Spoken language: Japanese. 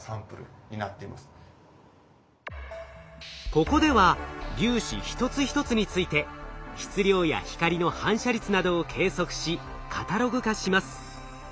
ここでは粒子一つ一つについて質量や光の反射率などを計測しカタログ化します。